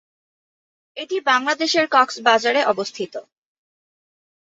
এটি বাংলাদেশের কক্সবাজারে অবস্থিত।